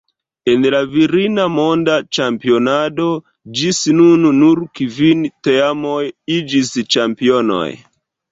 En la virina monda ĉampionado ĝis nun nur kvin teamoj iĝis ĉampionoj.